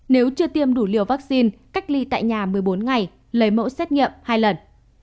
nếu chưa tiêm đủ liều vaccine cách ly tại nhà một mươi bốn ngày lấy mẫu xét nghiệm hai lần